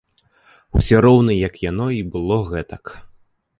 Усё роўна як яно й было гэтак.